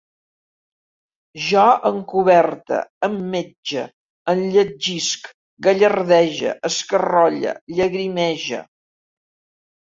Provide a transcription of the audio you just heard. Jo encoberte, emmetxe, enlletgisc, gallardege, escarrolle, llagrimege